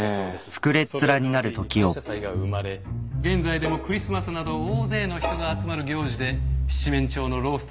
それを皮切りに感謝祭が生まれ現在でもクリスマスなど大勢の人が集まる行事で七面鳥のロースト。